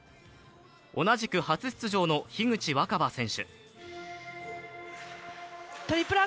同じく初出場の樋口新葉選手。